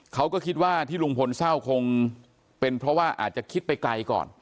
เขาก็คิดว่าที่ลุงพลเศร้าคงเป็นเพราะว่าอาจจะคิดไปไกลก่อน